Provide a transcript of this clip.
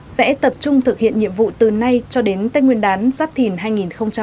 sẽ tập trung thực hiện nhiệm vụ từ nay cho đến tây nguyên đán giáp thìn hai nghìn hai mươi bốn